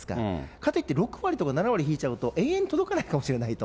かといって、６割とか７割引いちゃうと、永遠に届かないかもしれないと。